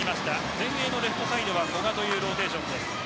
前衛のレフトサイドは古賀というローテーションです。